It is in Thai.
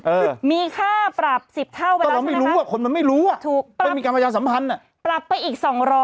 เออมีค่าปรับ๑๐เท่าไปแล้วใช่ไหมครับถูกปรับไปอีก๒๐๐